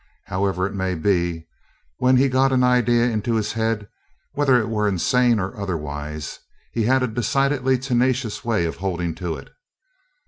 However it may be, when he got an idea into his head, whether it were insane or otherwise, he had a decidedly tenacious way of holding to it.